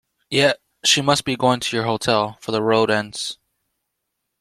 Yet she must be going to your hotel, for the road ends.